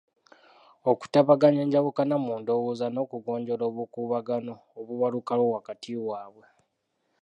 Okutabaganya enjawukana mu ndowooza n'okugonjoola obukuubagano obubalukawo wakati waabwe.